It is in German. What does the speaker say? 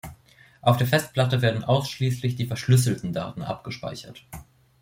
Auf der Festplatte werden ausschließlich die verschlüsselten Daten abgespeichert.